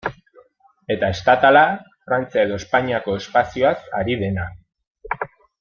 Eta estatala, Frantzia edo Espainiako espazioaz ari dena.